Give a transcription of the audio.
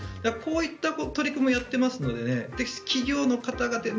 こういった取り組みをやっていますので企業の方々